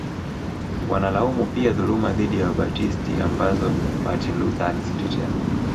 Wanalaumu pia dhuluma dhidi ya Wabatisti ambazo Martin Luther alizitetea